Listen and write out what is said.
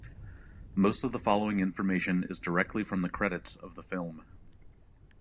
Most of the following information is directly from the credits of the film.